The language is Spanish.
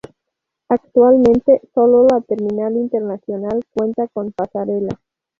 Actualmente, sólo la terminal internacional cuenta con pasarela.